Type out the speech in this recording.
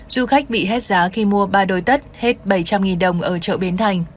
du khách bị hết giá khi mua ba đối tất hết bảy trăm linh đồng ở chợ bến thành